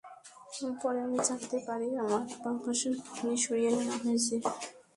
পরে আমি জানতে পারি, আমার বাঁ পাশের কিডনি সরিয়ে নেওয়া হয়েছে।